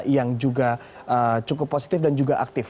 yang juga cukup positif dan juga aktif